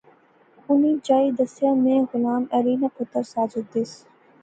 اُنی جائی دسیا میں غلام علی ناں پتر ساجد دیس